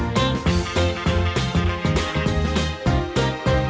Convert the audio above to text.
เชฟหันให้ดูแล้ว